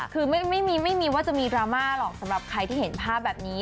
คือไม่มีว่าจะมีดราม่าหรอกสำหรับใครที่เห็นภาพแบบนี้